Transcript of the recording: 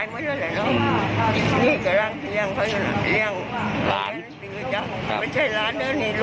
ไปมีเงินไปส่งลูกเรียนนี่